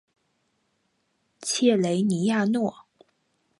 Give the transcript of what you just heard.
切雷尼亚诺。